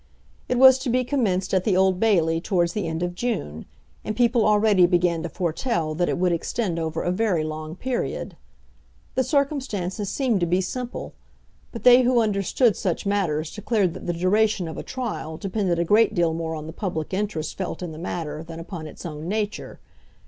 It was to be commenced at the Old Bailey towards the end of June, and people already began to foretell that it would extend over a very long period. The circumstances seemed to be simple; but they who understood such matters declared that the duration of a trial depended a great deal more on the public interest felt in the matter than upon its own nature.